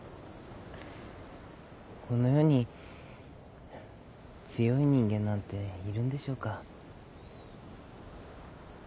この世に強い人間なんているんでしょうか。